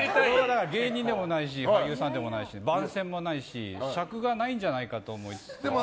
芸人さんでもないし俳優さんでもないし番宣もないし尺がないんじゃないかと思いつつ。